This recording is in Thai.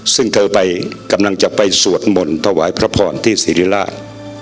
ซึ่งเธอกำลังจะไปสวดหม่นทวายพระพรที่ซีรีราช